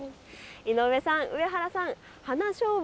井上さん、上原さん。